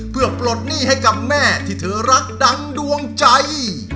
เพื่อปลดหนี้ให้กับแม่ที่เธอรักดังดวงใจ